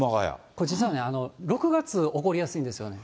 これ実は、６月、起こりやすいんですよね。